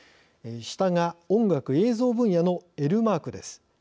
下が音楽・映像分野のエルマークです。